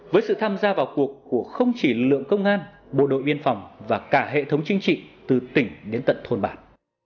với sự tham gia vào cuộc của không chỉ lượng công an bộ đội biên phòng và cả hệ thống chính trị từ tỉnh đến tận thôn bản